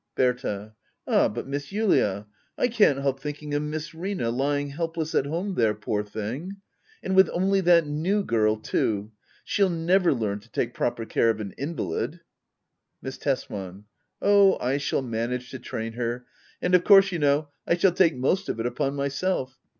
Berta. Ah but. Miss Julia, I can't help thinking of Miss Rina lying helpless at home there, poor thing. And with only that new girl too I She'll never learn to take proper care of an invalid. Miss Tesman. Oh, I shall manage to train her. And of course, you know, I shall take most of it upon myself.